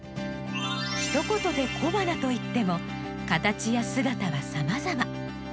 ひと言で小花といっても形や姿はさまざま。